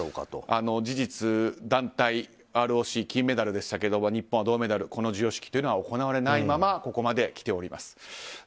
事実、団体ＲＯＣは金メダルでしたけど日本は銅メダルこの授与式というのは行われないままここまできております。